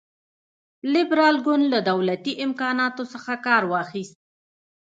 لېبرال ګوند له دولتي امکاناتو څخه کار واخیست.